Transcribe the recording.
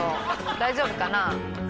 大丈夫かな？